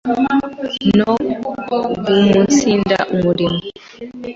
no “guumunsinda umurimo”